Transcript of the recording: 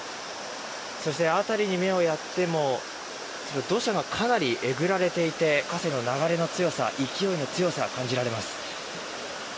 そして、辺りに目をやっても土砂がかなりえぐられていて河川の流れの強さ、勢いの強さ感じられます。